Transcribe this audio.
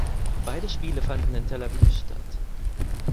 Beide Spiele fanden in Tel Aviv statt.